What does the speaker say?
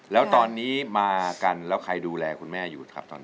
แล้วตอนนี้มากันแล้วใครดูแลคุณแม่อยู่ครับตอนนี้